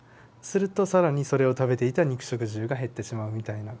すると更にそれを食べていた肉食獣が減ってしまうみたいな。